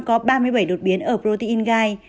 có ba mươi bảy đột biến ở protein gai